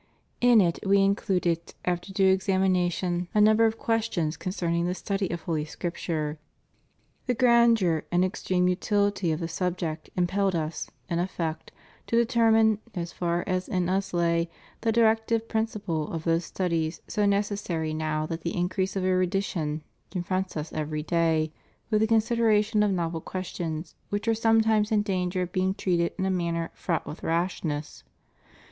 In it We included, after due examination, a number of questions concerning the study of Holy Scrip ture. The grandeur and extreme utihty of the subject impelled Us, in effect, to determine, as far as in Us lay, the directive principle of those studies so necessary now that the increase of erudition confronts us every day with the consideration of novel questions which are some times in danger of being treated in a manner fraught with rashness.